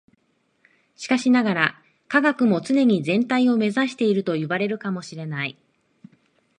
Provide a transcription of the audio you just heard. しかしながら、科学も常に全体を目指しているといわれるかも知れない。